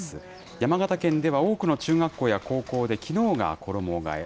山形県では多くの中学校や高校できのうが衣がえ。